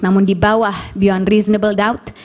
namun di bawah beyond reasonable dout